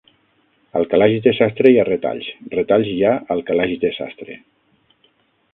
Al calaix de sastre hi ha retalls, retalls hi ha al calaix de sastre.